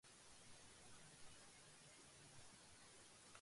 اس سے سوالات پیدا ہوتے ہیں۔